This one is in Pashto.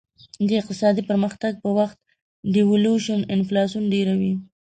د اقتصادي پرمختګ په وخت devaluation انفلاسیون ډېروي.